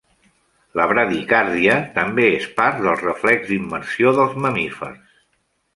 La bradicàrdia també és part del reflex d'immersió dels mamífers.